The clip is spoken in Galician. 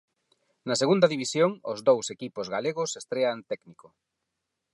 Na Segunda División, os dous equipos galegos estrean técnico.